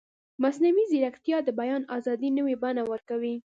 مصنوعي ځیرکتیا د بیان ازادي نوې بڼه ورکوي.